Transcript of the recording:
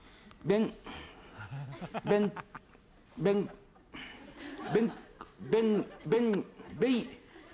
ベンベンベニベイ。